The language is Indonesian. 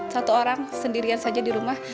satu orang sendirian saja di rumah